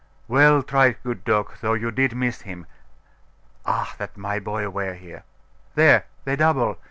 Well tried, good dog, though you did miss him! Ah, that my boy were here! There they double.